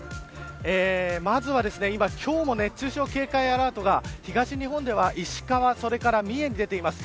まずは今日も熱中症警戒アラートが東日本では石川それから三重に出ています。